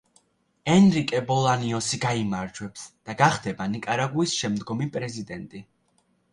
ენრიკე ბოლანიოსი გაიმარჯვებს და გახდება ნიკარაგუის შემდგომი პრეზიდენტი.